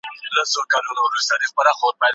انسانان په ټولنه کې بېلابېل فکري میلانونه لري.